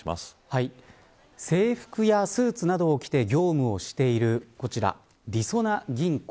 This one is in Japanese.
制服やスーツなどを着て業務をしているこちら、りそな銀行。